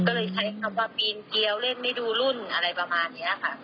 ก็เลยใช้คำว่าปีนเกี้ยวเล่นไม่ดูรุ่นอะไรประมาณนี้ค่ะ